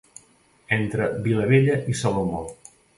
Entre Vilabella i Salomó.